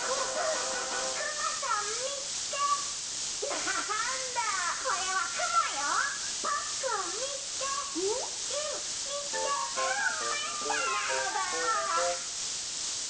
なのだ。